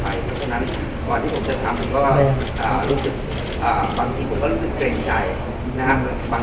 เพราะฉะนั้นก่อนที่ผมจะทำบางทีผมก็รู้สึกเกร็งใจบางอย่าง